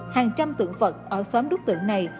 hàng trăm tượng vật ở xóm đúc tượng này